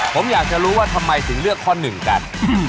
ผมอยากจะรู้ว่าทำไมถึงเลือกข้อหนึ่งกัน